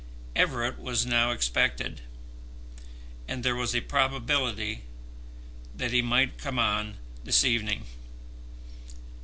Everett was now expected, and there was a probability that he might come on this evening.